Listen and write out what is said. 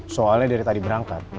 soalnya dari tadi berangkat